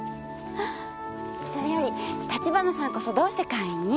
それより立花さんこそどうして会員に？